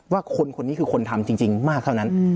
ว่าคนคนนี้คือคนทำจริงมากเท่านั้น